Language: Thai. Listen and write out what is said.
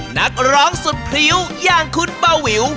นักร้องสุดพริ้วอย่างคุณเบาวิว